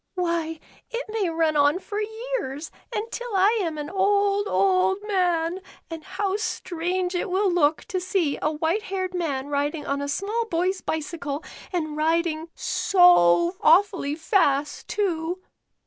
Why, it may run on for ye^rs, and till I am an old, old man, and how strange it will look to see a white haired man The N. S. Bicycle. 59 riding on a small boy's bicycle, and riding so awfully fast, too.